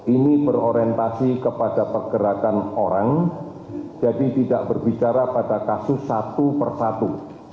ini berorientasi kepada pergerakan orang jadi tidak berbicara pada kasus satu persatu